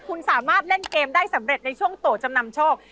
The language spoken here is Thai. คุณสามารถเล่นเกมได้สำเร็จในช่วงโตจำนำโชค